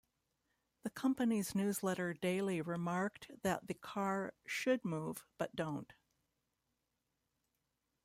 The company's newsletter daily remarked that the car "should move, but don't".